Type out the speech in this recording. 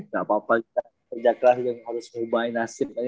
gak apa apa kita kerja klasik harus mengubah nasib